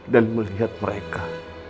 dan melihat mereka